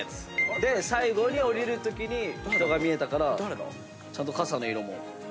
最後に降りるときに人が見えたらからちゃんと傘の色も。